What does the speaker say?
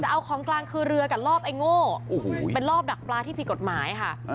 แต่เอาของกลางคือเรือกับรอบไอ้โง่เป็นรอบดักปลาที่ผิดกฎหมายค่ะ